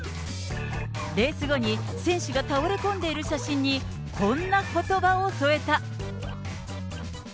レース後に、選手が倒れ込んでいる写真に、こんなことばを添えた。